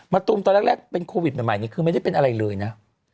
ตูมตอนแรกเป็นโควิดใหม่นี่คือไม่ได้เป็นอะไรเลยนะ